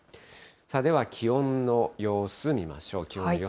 では気温の様子見ましょう。